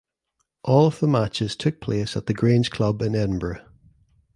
All of the matches took place at The Grange Club in Edinburgh.